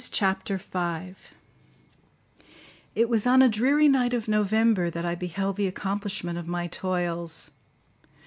Chapter 5 It was on a dreary night of November that I beheld the accomplishment of my toils.